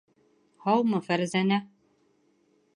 Һаумы, Фәрзәнә!